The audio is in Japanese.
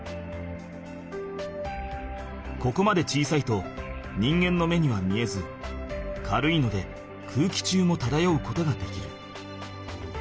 ここまで小さいと人間の目には見えず軽いので空気中もただようことができる。